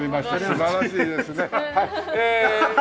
素晴らしいですね。